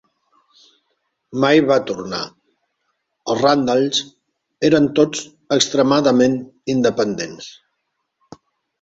Mai va tornar: els Randalls eren tots extremadament independents.